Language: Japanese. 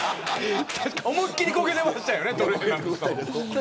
思いっきりこけてましたよね。